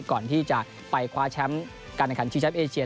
ก่อนที่จะไปคว้าแชมป์การอาหารชีวิตชาติเอเชีย